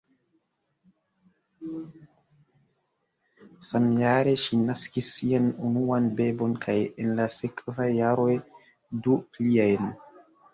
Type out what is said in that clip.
Samjare ŝi naskis sian unuan bebon kaj en la sekvaj jaroj du pliajn.